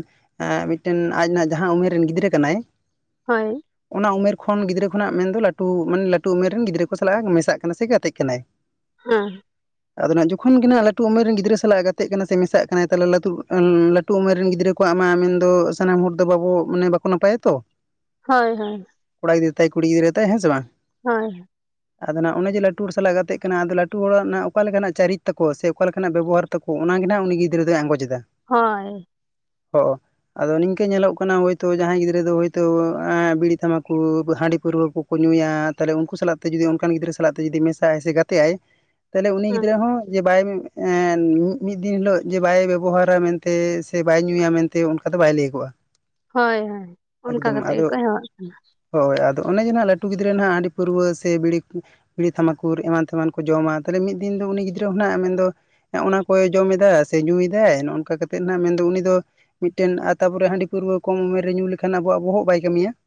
Speaker 1: ᱮᱸ ᱢᱤᱫᱴᱮᱱ ᱟᱡ ᱱᱦᱟᱜ ᱡᱟᱦᱟᱸ ᱩᱢᱮᱨ ᱨᱮᱱ ᱜᱤᱫᱽᱨᱟᱹ ᱠᱟᱱᱟᱭ
Speaker 2: ᱦᱚᱭ ᱾
Speaker 1: ᱚᱱᱟ ᱩᱢᱮᱨ ᱠᱷᱚᱱ ᱜᱤᱫᱽᱨᱟᱹ ᱠᱷᱚᱱᱟᱜ ᱢᱮᱱ ᱫᱚ ᱞᱟᱹᱴᱩ ᱢᱟᱱᱮ ᱞᱟᱹᱴᱩ ᱩᱢᱮᱨ ᱨᱮᱱ ᱜᱤᱫᱽᱨᱟᱹ ᱠᱚ ᱥᱟᱞᱟᱜᱮ ᱢᱮᱥᱟᱜ ᱠᱟᱱᱟ ᱥᱮ ᱜᱟᱛᱮᱜ ᱠᱟᱱᱟᱭ ᱾
Speaker 2: ᱚᱸ᱾
Speaker 1: ᱟᱫᱚ ᱱᱟᱜ ᱡᱚᱠᱷᱚᱱ ᱜᱮ ᱱᱟᱸᱜ ᱞᱟᱹᱴᱩ ᱩᱢᱮᱨ ᱨᱮᱱ ᱜᱤᱫᱽᱨᱟᱹ ᱥᱟᱞᱟᱜ ᱜᱟᱛᱮᱜ ᱠᱟᱱᱟᱭ ᱥᱮ ᱢᱮᱥᱟᱜ ᱠᱟᱱᱟᱭ ᱛᱟᱦᱚᱞᱮ ᱞᱟᱹᱛᱩᱜ ᱮᱜ ᱞᱟᱹᱼᱼ ᱴᱩ ᱩᱢᱮᱨ ᱨᱮᱱ ᱜᱤᱫᱽᱨᱟᱹ ᱠᱚᱣᱟᱜ ᱟᱢᱟ ᱢᱮᱱᱫᱚ ᱥᱟᱱᱟᱢ ᱦᱚᱲ ᱫᱚ ᱵᱟᱵᱚ ᱢᱟᱱᱮ ᱵᱟᱠᱚ ᱱᱟᱯᱟᱭᱟ ᱛᱚ ᱾
Speaker 2: ᱦᱳᱭ ᱦᱳᱭ ᱾
Speaker 1: ᱠᱚᱲᱟ ᱜᱤᱫᱽᱨᱟᱹ ᱛᱟᱭ ᱠᱩᱲᱤ ᱜᱤᱫᱽᱨᱟᱹ ᱛᱟᱭ ᱦᱮᱸ ᱥᱮ ᱵᱟᱝ ᱾
Speaker 2: ᱦᱳᱭ ᱾
Speaker 1: ᱟᱫᱚ ᱱᱟᱜ ᱚᱱᱮ ᱡᱮ ᱞᱟᱹᱴᱩ ᱦᱚᱲ ᱥᱟᱞᱟᱜ ᱜᱟᱛᱮᱜ ᱠᱟᱱᱟ ᱟᱫᱚ ᱞᱟᱹᱴᱩ ᱦᱚᱲᱟᱜ ᱱᱟᱜ ᱚᱠᱟ ᱞᱮᱠᱟᱱᱟᱜ ᱪᱟᱨᱤᱛ ᱛᱟᱠᱚ, ᱥᱮ ᱚᱠᱟ ᱞᱮᱠᱟᱱᱟᱜ ᱵᱮᱵᱚᱦᱟᱨ ᱛᱟᱠᱚ, ᱚᱱᱟᱜᱮ ᱱᱟᱸᱜ ᱩᱱᱤ ᱜᱤᱫᱽᱨᱟᱹ ᱫᱚᱭ ᱟᱸᱜᱚᱡᱮᱫᱟ ᱾
Speaker 2: ᱦᱳᱭ ᱾
Speaker 1: ᱦᱚᱸᱚ ᱾ ᱟᱫᱚ ᱱᱤᱝᱠᱟᱹ ᱧᱮᱞᱚᱜ ᱠᱟᱱᱟ ᱦᱳᱭ ᱛᱚ ᱡᱟᱦᱟᱸᱭ ᱜᱤᱫᱽᱨᱟᱹ ᱫᱚ ᱦᱳᱭ ᱛᱚ ᱵᱤᱲᱤ ᱛᱟᱢᱵᱟᱠᱩ, ᱦᱟᱺᱰᱤ, ᱯᱟᱹᱨᱣᱨᱟᱹ ᱠᱚ ᱠᱚ ᱧᱩᱭᱟ ᱛᱟᱞᱦᱮ ᱩᱱᱠᱩ ᱥᱟᱞᱟᱜ ᱛᱮ ᱡᱩᱫᱤ ᱚᱱᱠᱟᱱ ᱜᱤᱫᱽᱨᱟᱹ ᱥᱟᱞᱟᱜ ᱛᱮ ᱡᱩᱫᱤ ᱢᱮᱥᱟᱜᱼᱟᱭ ᱥᱮ ᱜᱟᱛᱮᱜᱟᱭ ᱛᱟᱞᱦᱮ ᱩᱱᱤ
Speaker 2: ᱦᱮᱸ
Speaker 1: ᱜᱤᱫᱽᱨᱟᱹ ᱦᱚᱸ ᱡᱮ ᱵᱟᱭ ᱮᱱ ᱢᱤᱫ ᱫᱤᱱ ᱦᱤᱞᱳᱜ ᱡᱮ ᱵᱟᱭ ᱵᱮᱵᱚᱦᱟᱨᱟ ᱢᱮᱱᱛᱮ ᱥᱮ ᱵᱟᱭ ᱧᱩᱭᱟ ᱢᱮᱱᱛᱮ ᱚᱱᱠᱟ ᱫᱚ ᱵᱟᱭ ᱞᱟᱹᱭᱚᱜᱼᱟ ᱾ *inaudible*
Speaker 2: ᱦᱳᱭ ᱦᱳᱭ ᱚᱱᱠᱟ ᱠᱟᱛᱮ ᱜᱮᱠᱚ ᱦᱮᱣᱟᱜ ᱠᱟᱱᱟ ᱾
Speaker 1: ᱦᱳᱭ ᱟᱫᱚ ᱚᱱᱮ ᱡᱮ ᱱᱟᱦᱟᱜ ᱞᱟᱹᱩ ᱜᱤᱫᱽᱟᱹ ᱱᱟᱦᱟᱜ ᱦᱟᱺᱰᱤ, ᱯᱟᱹᱨᱣᱟᱹ ᱥᱮ ᱵᱤᱲᱤ, ᱵᱤᱲᱤ, ᱛᱟᱢᱵᱟᱠᱩᱨ, ᱮᱢᱟᱱ ᱛᱮᱢᱟᱱ ᱠᱚ ᱡᱚᱢᱟ ᱛᱟᱞᱦᱮ ᱢᱤᱫ ᱫᱤᱱ ᱫᱚ ᱩᱱᱤ ᱜᱤᱫᱽᱨᱟᱹ ᱦᱚᱸ ᱱᱟᱦᱟᱜ ᱢᱮᱱ ᱫᱚ ᱚᱱᱟ ᱠᱚᱭ ᱡᱚᱢ ᱮᱫᱟ ᱥᱮ ᱧᱩᱭᱮᱫᱟᱭ ᱱᱚᱜ ᱱᱚᱝᱠᱟ ᱠᱟᱛᱮᱫ ᱱᱟᱜ ᱢᱮᱱ ᱫᱚ ᱩᱱᱤ ᱫᱚ ᱢᱤᱫᱴᱮᱱ ᱟ ᱛᱟᱯᱚᱨᱮ ᱦᱟᱺᱰᱤ, ᱯᱟᱹᱨᱣᱟᱹ ᱠᱚᱢ ᱩᱢᱮᱨ ᱨᱮ ᱧᱩ ᱞᱮᱠᱷᱟᱱ ᱟᱵᱚᱣᱟᱜ ᱵᱚᱦᱚᱜ ᱵᱟᱭ ᱠᱟᱹᱢᱤᱭᱟ ᱾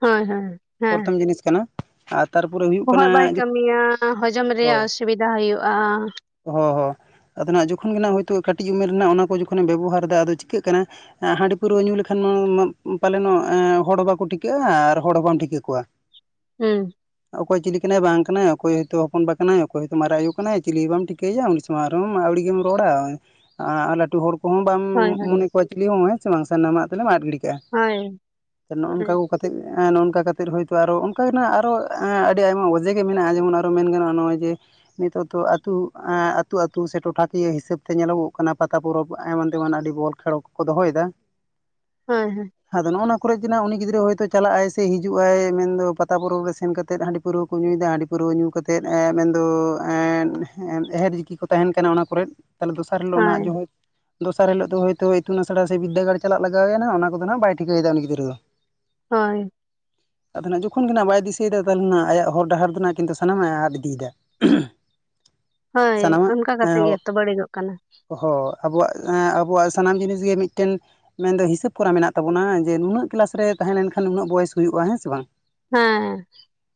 Speaker 2: ᱦᱳᱭ ᱦᱳᱭ ᱦᱮᱸ᱾
Speaker 1: ᱡᱤᱱᱤᱥ ᱠᱟᱱᱟ ᱟᱨ ᱛᱟᱨᱯᱚᱨᱮ ᱦᱩᱭᱩᱜ ᱠᱟᱱᱟ
Speaker 2: ᱵᱚᱦᱚᱜ ᱵᱟᱭ ᱠᱟᱹᱢᱤᱭᱟ, ᱦᱚᱡᱚᱢ ᱨᱮᱭᱟᱜ ᱚᱥᱩᱵᱤᱫᱟ ᱦᱩᱭᱩᱜᱼᱟ ᱾
Speaker 1: ᱦᱚ ᱦᱚ ᱟᱫᱚ ᱱᱟᱜ ᱡᱚᱠᱷᱚᱱ ᱜᱮ ᱱᱟᱜ ᱦᱳᱭᱛᱳ ᱠᱟᱹᱴᱤᱡ ᱩᱢᱮᱨ ᱨᱮᱱᱟᱜ ᱚᱱᱟ ᱠᱚ ᱡᱚᱠᱷᱚᱱᱮ ᱵᱮᱵᱚᱦᱟᱨ ᱫᱟ ᱟᱫᱚ ᱪᱤᱠᱟᱹᱜ ᱠᱟᱱᱟ ᱦᱟᱺᱰᱤ ᱯᱟᱹᱨᱣᱟᱹ ᱧᱩ ᱞᱮᱠᱷᱟᱱ ᱢᱟ ᱯᱟᱞᱮ ᱱᱚᱜ ᱮᱸ ᱦᱚᱲ ᱵᱟᱠᱚ ᱴᱷᱤᱠᱟᱹᱜᱼᱟ, ᱟᱨ ᱦᱚᱲ ᱦᱚᱸ ᱵᱟᱢ ᱴᱷᱤᱠᱟᱹ ᱠᱚᱣᱟ ᱾ *inaudible*
Speaker 2: ᱦᱩᱸ ᱾
Speaker 1: ᱚᱠᱚᱭ ᱪᱤᱞᱤ ᱠᱟᱱᱟᱭ ᱵᱟᱝ ᱠᱟᱱᱟᱭ ᱚᱠᱚᱭ ᱦᱚᱭᱛᱚ ᱦᱚᱯᱚᱱ ᱵᱟ ᱠᱟᱱᱟᱭ ᱚᱠᱚᱭ, ᱢᱟᱨᱟᱝ ᱟᱭᱩ ᱠᱟᱱᱟᱭ ᱪᱤᱞᱤ ᱦᱚᱸ ᱵᱟᱢ ᱴᱷᱤᱠᱟᱹᱭᱟ ᱩᱱᱤ ᱥᱟᱢᱟᱝ ᱨᱮᱦᱚ ᱟᱹᱣᱲᱤ ᱜᱮᱢ ᱨᱚᱲᱟ ᱟ ᱞᱟᱹᱴᱩ ᱦᱚᱲ ᱠᱚᱦᱚᱸ ᱵᱟᱢ
Speaker 2: ᱦᱳᱭ ᱦᱳᱭ
Speaker 1: ᱢᱚᱱᱮ ᱠᱚᱣᱟ ᱪᱤᱞᱤ ᱦᱚᱸ ᱦᱮᱸ ᱥᱮ ᱵᱟᱝ ᱥᱟᱱᱟᱢᱟᱜ ᱛᱮᱱᱮᱢ ᱟᱫ ᱜᱤᱲᱤ ᱠᱟᱜᱼᱟ
Speaker 2: ᱦᱳᱭ
Speaker 1: ᱱᱚᱜ ᱱᱚᱝᱠᱟ ᱠᱚ ᱠᱟᱛᱮᱜ ᱮ ᱱᱚᱝᱠᱟ ᱠᱟᱛᱮᱫ ᱦᱳᱭᱛᱚ ᱟᱨᱚ ᱚᱱᱠᱟ ᱜᱮᱱᱟᱜ ᱟᱨᱚ ᱟᱹᱰᱤ ᱟᱭᱢᱟ ᱚᱡᱮ ᱜᱮ ᱢᱮᱱᱟᱜᱼᱟ ᱡᱮᱢᱚᱱ ᱟᱨᱚ ᱢᱮᱱ ᱜᱟᱱᱚᱜᱼᱟ ᱱᱚᱜᱼᱚᱭ ᱡᱮ ᱱᱤᱛᱚᱜ ᱛᱚ ᱟᱹᱛᱩ ᱟᱹᱛᱩ ᱟᱹᱛᱩ ᱥᱮ ᱴᱚᱴᱷᱟ ᱠᱤᱭᱟᱹ ᱦᱤᱥᱟᱹᱵ ᱛᱮ ᱧᱮᱞᱚᱜᱚᱜ ᱠᱟᱱᱟ ᱯᱟᱛᱟ, ᱯᱚᱨᱚᱵᱽ ᱮᱢᱟᱱ ᱛᱮᱢᱟᱱ ᱟᱹᱰᱤ ᱵᱚᱞ ᱠᱷᱮᱞᱚᱜᱚᱜ ᱠᱚ ᱫᱚᱦᱚᱭᱫᱟ
Speaker 2: ᱦᱳᱭ ᱦᱳᱭ ᱾
Speaker 1: ᱟᱫᱚ ᱱᱚᱜ ᱱᱚᱣᱟ ᱠᱚᱨᱮ ᱡᱮᱱᱟᱜ ᱩᱱᱤ ᱜᱤᱫᱽᱨᱟᱹ ᱦᱳᱭᱛᱳ ᱪᱟᱞᱟᱜ ᱟᱭ ᱥᱮ ᱦᱤᱡᱩᱜ ᱟᱭ ᱢᱮᱱᱫᱚ ᱯᱟᱛᱟ, ᱯᱚᱨᱚᱵᱽ ᱨᱮ ᱥᱮᱱ ᱠᱟᱛᱮᱫ ᱦᱟᱸᱲᱤ ᱯᱟᱹᱣᱨᱟᱹ ᱠᱚ ᱧᱩᱭᱮᱫᱟ ᱦᱟᱺᱰᱤ ᱯᱟᱹᱣᱨᱟᱹ ᱧᱩ ᱠᱟᱛᱮ ᱮᱛᱮᱫ ᱮᱸ ᱢᱮᱱᱫᱚ ᱮᱸ ᱮᱦᱮᱨ ᱡᱤᱠᱤ ᱠᱚ ᱛᱟᱸᱦᱮᱱ ᱠᱟᱱᱟ ᱚᱱᱟ ᱠᱚᱨᱮᱫ ᱛᱟᱦᱚᱞᱮ ᱫᱚᱥᱟᱨ ᱦᱤᱞᱚᱜ ᱱᱟᱜ
Speaker 2: ᱦᱳᱭ
Speaker 1: ᱡᱚᱦᱚᱭ ᱫᱚᱥᱟᱨ ᱦᱤᱞᱳᱜ ᱫᱚ ᱦᱳᱭᱛᱳ ᱤᱛᱩᱱ ᱟᱥᱲᱟ ᱥᱮ ᱵᱤᱫᱽᱫᱟᱹᱜᱟᱲ ᱪᱟᱞᱟᱜ ᱞᱟᱜᱟᱣ ᱱᱟᱜ ᱚᱱᱟ ᱠᱚᱫᱚ ᱱᱟᱸᱜ ᱵᱟᱭ ᱴᱷᱤᱠᱟᱹᱭᱮᱫᱟ ᱩᱱᱤ ᱜᱤᱫᱨᱟᱹ ᱫᱚ ᱾ *inaudible*
Speaker 2: ᱦᱳᱭ ᱾
Speaker 1: ᱟᱫᱚᱱᱟᱜᱷ ᱡᱚᱠᱷᱚᱱ ᱜᱮ ᱱᱟᱜ ᱵᱟᱭ ᱫᱤᱥᱟᱹᱭᱮᱫᱟ ᱛᱟᱦᱞᱮ ᱱᱟᱜ ᱟᱭᱟᱜ ᱦᱚᱨ ᱰᱟᱦᱟᱨ ᱫᱚ ᱱᱟᱜ ᱠᱤᱱᱛᱩ ᱥᱟᱱᱟᱢᱟᱜ ᱟᱫ ᱤᱫᱤᱭᱮᱫᱟ ᱾
Speaker 2: ᱦᱳᱭ ᱚᱱᱠᱟ ᱠᱟᱛᱮᱜ ᱜᱮᱛᱚ ᱵᱟᱹᱲᱤᱡᱚᱜ ᱠᱟᱱᱟ ᱾
Speaker 1: ᱦᱚ ᱟᱵᱚᱣᱟᱜ ᱮᱸ ᱟᱵᱚᱣᱟᱜ ᱥᱟᱱᱟᱢ ᱡᱤᱱᱤᱥ ᱜᱮ ᱢᱤᱫᱴᱮᱱ ᱢᱮᱱᱫᱚ ᱦᱤᱥᱟᱹᱵᱽ ᱠᱚᱨᱟ ᱢᱮᱱᱟᱜ ᱛᱟᱵᱚᱱᱟ᱾ ᱡᱮ ᱱᱩᱱᱟᱹᱜ ᱠᱮᱞᱟᱥ ᱨᱮ ᱛᱟᱦᱮᱸ ᱞᱮᱱᱠᱷᱟᱱ ᱱᱩᱱᱟᱹᱜ ᱵᱚᱭᱮᱥ ᱦᱩᱭᱩᱜᱼᱟ ᱦᱮᱸ ᱥᱮ ᱵᱟᱝ ᱾
Speaker 2: ᱦᱮᱸ᱾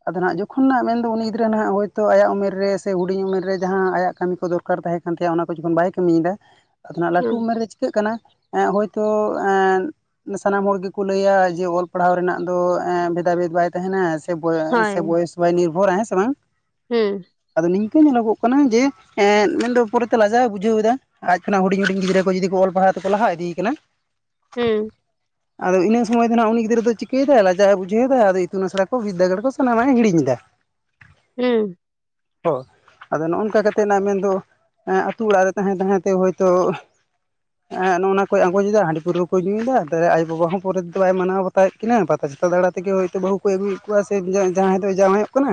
Speaker 1: ᱟᱫᱚ ᱱᱟᱜᱷ ᱡᱚᱠᱷᱚᱱ ᱱᱟᱜᱷ ᱢᱮᱱᱫᱚ ᱩᱱᱤ ᱜᱤᱫᱽᱨᱟᱹ ᱱᱟᱦᱟᱜ ᱦᱳᱭᱛᱳ ᱟᱭᱟᱜ ᱩᱢᱮᱨ ᱨᱮ, ᱥᱮ ᱦᱩᱰᱤᱧ ᱩᱢᱮᱨ ᱨᱮ ᱥᱮ ᱡᱟᱦᱟᱸ ᱟᱭᱟᱜ ᱠᱟᱹᱢᱤ ᱠᱚ ᱫᱚᱨᱠᱟᱨ ᱛᱟᱦᱮᱸ ᱠᱟᱱ ᱛᱟᱭᱟ ᱚᱱᱟ ᱠᱚ ᱡᱚᱠᱷᱚᱱ ᱵᱟᱭ ᱾ ᱠᱟᱹᱢᱤᱭᱮᱫᱟ᱾ ᱟᱫᱚᱱᱟᱜᱷ ᱞᱟᱹᱴᱩ
Speaker 2: ᱦᱩᱸ
Speaker 1: ᱩᱢᱮᱨ ᱨᱮ ᱪᱤᱠᱟᱹᱜ ᱠᱟᱱᱟ᱾ ᱮᱸ ᱦᱳᱭᱛᱳ ᱮᱸ ᱾ ᱥᱟᱱᱟᱢ ᱦᱚᱲ ᱜᱮᱠᱚ ᱞᱟᱹᱭᱟ ᱡᱮ, ᱚᱞ ᱯᱟᱲᱦᱟᱣ ᱨᱮᱱᱟᱜ ᱫᱚ ᱮᱸ ᱵᱽᱷᱮᱫᱟ ᱵᱷᱮᱫᱽ ᱵᱟᱭ ᱛᱟᱸᱦᱮᱱᱟ᱾ ᱥᱮ *unintelligible*
Speaker 2: ᱦᱳᱭ
Speaker 1: ᱥᱮ ᱵᱚᱭᱮᱥ ᱵᱟᱭ ᱱᱤᱨᱵᱷᱚᱨᱟ ᱦᱮᱸ ᱥᱮ ᱵᱟᱝ᱾
Speaker 2: ᱦᱩᱸ᱾
Speaker 1: ᱟᱫᱚ ᱱᱤᱝᱠᱟᱹ ᱧᱮᱞᱚᱜᱚᱜ ᱠᱟᱱᱟ ᱡᱮ᱾ ᱮᱸ ᱢᱮᱱᱫᱚ ᱯᱚᱨᱮᱛᱮ ᱞᱟᱡᱟᱣ ᱮ ᱵᱩᱡᱷᱟᱹᱣ ᱮᱫᱟ᱾ ᱟᱡ ᱠᱷᱚᱱᱟᱜ ᱦᱩᱰᱤᱧ - ᱦᱩᱰᱤᱧ ᱜᱤᱫᱽᱨᱟᱹ ᱠᱚ, ᱡᱩᱫᱤ ᱠᱚ ᱚᱞ ᱯᱟᱲᱦᱟᱣ ᱛᱮᱠᱚ ᱞᱟᱦᱟ ᱤᱫᱮ ᱟᱠᱟᱱᱟ᱾
Speaker 2: ᱦᱩᱸ᱾
Speaker 1: ᱟᱫᱚ ᱤᱱᱟᱹ ᱥᱚᱢᱚᱭ ᱫᱚ ᱱᱟᱜᱷ ᱩᱱᱤ ᱜᱤᱫᱽᱨᱟᱹ ᱫᱚ ᱪᱤᱠᱟᱹᱭᱮᱫᱟᱭ ᱾ ᱞᱟᱡᱟᱣ ᱮ ᱵᱩᱡᱷᱟᱹᱣ ᱮᱫᱟ ᱾ ᱟᱫᱚ ᱤᱛᱩᱱ ᱟᱥᱲᱟ ᱠᱚ ᱵᱤᱫᱽᱫᱟᱹᱜᱟᱲ ᱠᱚ ᱥᱟᱱᱟᱢᱟᱜ ᱮᱸ ᱦᱤᱲᱤᱧ ᱮᱫᱟ᱾
Speaker 2: ᱦᱩᱸ᱾
Speaker 1: ᱚ ᱟᱫᱚ ᱱᱚᱜ ᱱᱚᱝᱠᱟ ᱠᱟᱛᱮᱫ ᱱᱟᱜᱷ ᱢᱮᱱᱫᱚ, ᱮᱸ ᱟᱹᱛᱩ ᱚᱲᱟᱜ ᱨᱮ ᱛᱟᱦᱮᱸ - ᱛᱟᱦᱮᱸ ᱛᱮ ᱦᱳᱭᱛᱳ ᱦᱮᱸᱜ ᱮᱸ ᱱᱚᱜ ᱱᱚᱣᱟ ᱠᱚᱭ ᱟᱸᱜᱚᱡᱮᱫᱟ᱾ ᱦᱟᱺᱰᱤ ᱯᱟᱹᱣᱨᱟᱹ ᱠᱚᱭ ᱧᱩᱭᱮᱫᱟ᱾ ᱛᱮ ᱟᱭᱳ-ᱵᱟᱵᱟ ᱦᱚᱸ ᱯᱚᱨᱮ ᱫᱚ ᱵᱟᱭ ᱢᱟᱱᱟᱣ ᱵᱟ ᱯᱟᱛᱟᱣ ᱮᱫ ᱠᱤᱱᱟ᱾ ᱯᱟᱛᱟ ᱪᱷᱟᱛᱟ ᱫᱟᱬᱟᱸ ᱛᱮᱜᱮᱸ ᱦᱳᱭᱛᱚ ᱵᱟᱹᱦᱩ ᱠᱚᱭ ᱟᱹᱩᱭᱮᱫ ᱠᱚᱣᱟ᱾ ᱥᱮ ᱡᱟᱦᱟᱸᱭ ᱫᱚᱭ ᱡᱟᱶᱟᱭ ᱚᱜ ᱠᱟᱱᱟ᱾